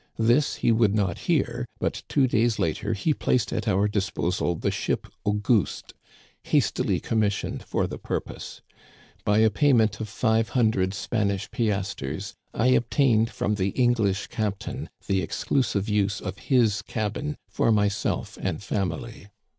This he would not hear, but two days later he placed at our dis posal the ship Auguste, hastily commissioned for the purpose. By a payment of five hundred Spanish pias Digitized by VjOOQIC THE SHIPWRECK OF THE AUGUSTE. 21/ ters, I obtained from the English captain the exclusive use of his cabin for myself and family.